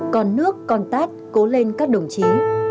còn nước còn tát cố lên các đồng chí